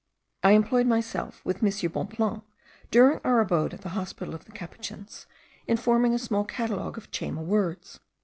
I employed myself, with M. Bonpland, during our abode at the hospital of the Capuchins, in forming a small catalogue of Chayma words.